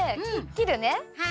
切るね。